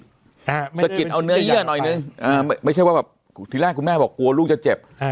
อ่าสะกิดเอาเนื้อเยื่อหน่อยหนึ่งอ่าไม่ใช่ว่าแบบที่แรกคุณแม่บอกกลัวลูกจะเจ็บอ่า